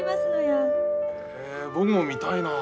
へえ僕も見たいなあ。